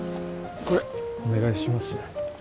これお願いしますね。